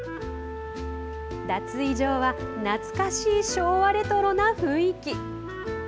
脱衣場は懐かしい昭和レトロな雰囲気。